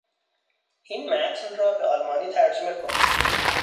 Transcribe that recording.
این متن را به آلمانی ترجمه کن.